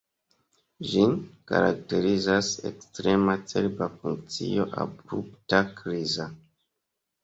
Ĝin karakterizas ekstrema cerba funkcio abrupta, kriza.